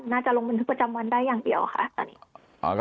น่าจะลงบันทึกประจำวันได้อย่างเดียวค่ะ